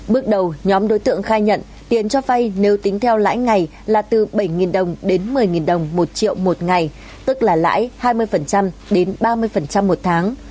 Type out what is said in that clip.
bước đầu nhóm đối tượng khai nhận tiền cho vay nếu tính theo lãi ngày là từ bảy đồng đến một mươi đồng một triệu một ngày tức là lãi hai mươi đến ba mươi một tháng